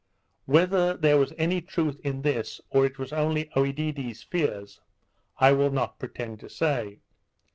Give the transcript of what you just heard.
Whether there was any truth in this, or it was only Oedidee's fears, I will not pretend to say.